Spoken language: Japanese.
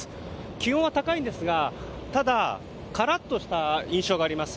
気温は高いんですがただ、カラッとした印象があります。